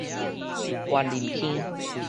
員林坑